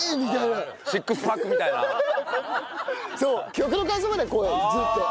曲の間奏まではこうなのずっと。